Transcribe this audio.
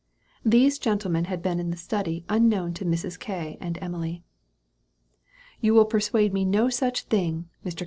These gentlemen had been in the study unknown to Mrs. K. and Emily. "You will persuade me to no such thing," Mr. K.